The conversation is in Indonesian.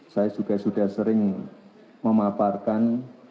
saya juga sudah sering memaparkan